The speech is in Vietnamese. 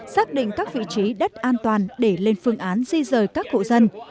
xác định các vị trí đất an toàn để lên phương án di rời các hộ dân